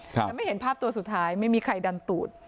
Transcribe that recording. แต่ไม่เห็นภาพตัวสุดท้ายไม่มีใครดันตูด